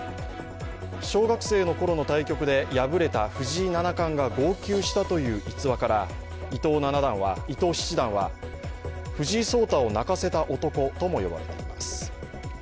小学生のころの対局で敗れた藤井七冠が号泣したという逸話から、伊藤七段は、藤井聡太を泣かせた男とも呼ばれています。